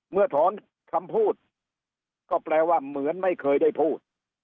เหมือถอนคำพูด